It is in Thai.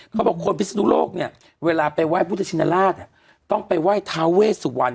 เขาบอกคนพิศนุโลกเนี่ยเวลาไปไหว้พุทธชินราชต้องไปไหว้ทาเวสุวรรณ